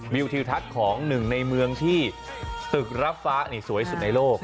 ทิวทัศน์ของหนึ่งในเมืองที่ตึกรับฟ้านี่สวยสุดในโลก